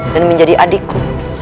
dan menjadi adikku